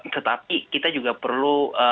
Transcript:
tetapi kita juga perlu